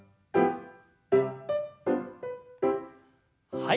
はい。